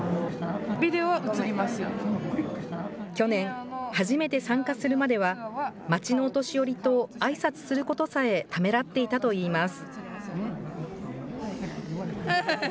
去年、初めて参加するまでは、町のお年寄りとあいさつすることさえためらっていたといいます。